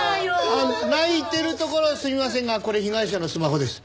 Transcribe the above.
泣いてるところすみませんがこれ被害者のスマホです。